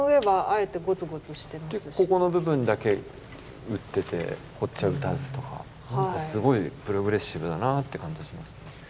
ここの部分だけ打っててこっちは打たずとかすごいプログレッシブだなって感じがします。